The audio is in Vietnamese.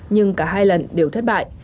nhưng cả hai lần đều thất bại